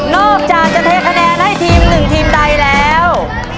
อกจากจะเทคะแนนให้ทีมหนึ่งทีมใดแล้ว